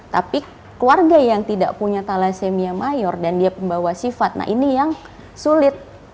tapi keluarga yang tidak punya thalassemia mayor dan dia pembawa sifat nah ini yang sulit